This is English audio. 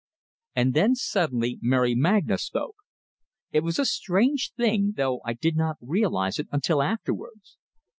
And then suddenly Mary Magna spoke. It was a strange thing, though I did not realize it until afterwards.